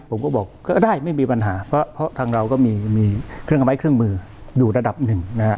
ผมก็บอกก็ได้ไม่มีปัญหาเพราะทางเราก็มีเครื่องไม้เครื่องมืออยู่ระดับหนึ่งนะฮะ